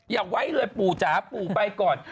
อย่าไว้เลยปู่จ๋าปู่ไปก่อน